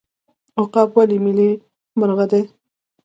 عقاب ولې ملي مرغه دی؟